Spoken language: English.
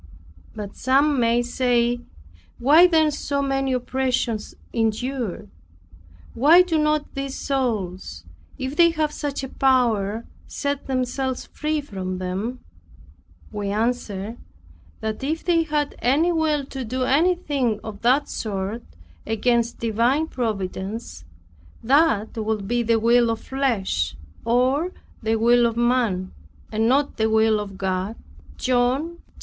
But some may say, Why then so many oppressions endured? Why do not these souls, if they have such a power, set themselves free from them? We answer that if they had any will to do anything of that sort, against divine providence, that would be the will of flesh, or the will of man, and not the will of God, John 1:13.